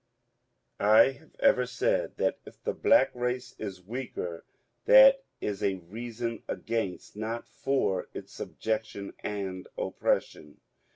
I have ever said that if the black race is weaker that is a reason against, not for, its subjection and oppression.